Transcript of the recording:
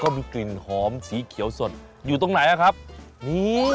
มันก็จะสมดุเหมือนกัน